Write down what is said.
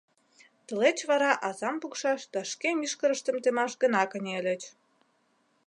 Тылеч вара азам пукшаш да шке мӱшкырыштым темаш гына кынельыч.